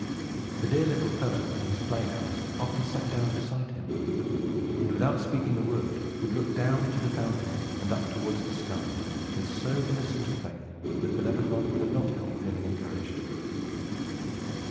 The dear little fellow, in his play hours, often sat down beside him, and, without speaking a word, would look down into the fountain and up towards the sky, with so innocent a faith, that Bellerophon could not help feeling encouraged.